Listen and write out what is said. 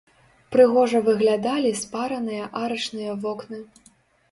Прыгожа выглядалі спараныя арачныя вокны.